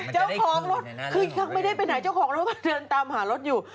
เจ้าของรถคือยังไม่ได้ไปไหนเจ้าของรถก็เดินตามหารถอยู่